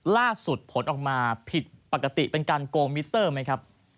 ผลออกมาผิดปกติเป็นการโกงมิเตอร์ไหมครับ